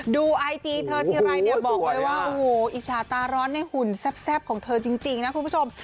ดูไอจีเธอทีไรเนี่ยบอกเลยว่าโอ้โหอิจฉาตาร้อนในหุ่นแซ่บของเธอจริงนะคุณผู้ชม